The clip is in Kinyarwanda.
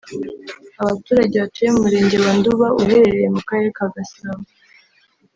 Abaturage batuye mu murenge wa Nduba uherereye mu karere ka Gasabo